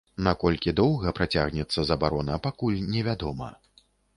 Наколькі доўга працягнецца забарона, пакуль невядома.